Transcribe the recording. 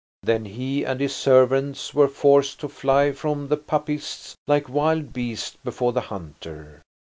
Then he and his servants were forced to fly from the Papists like wild beasts before the hunter.